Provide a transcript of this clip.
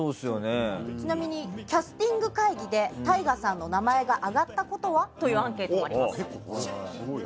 ちなみにキャスティング会議でＴＡＩＧＡさんの名前が挙がったことは？というアンケートもあります。